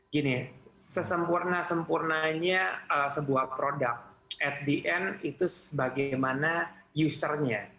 gini sesempurna sempurnanya sebuah produk at the end itu sebagaimana usernya